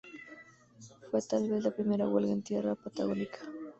Fue tal vez la primera huelga en tierra patagónica.